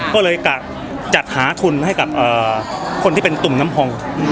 ก็เลยกะจัดหาทุนให้กับคนที่เป็นตุ่มน้ำพอง